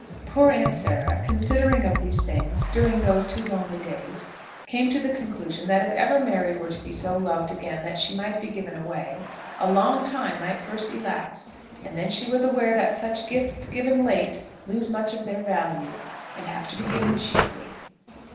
Poor Aunt Sarah, considering of these things during those two lonely days, came to the conclusion that if ever Mary were to be so loved again that she might be given away, a long time might first elapse; and then she was aware that such gifts given late lose much of their value, and have to be given cheaply.